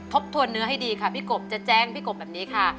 ทบทวนเนื้อให้ดีค่ะพี่กบจะแจ้งพี่กบแบบนี้ค่ะ